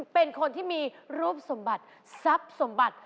เป็นคนที่มีรูปสมบัติทรัพย์สมบัติ